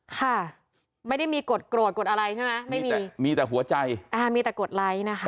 ค่ะไม่ได้มีกฎโกรธกดอะไรใช่ไหมไม่มีมีแต่หัวใจอ่ามีแต่กดไลค์นะคะ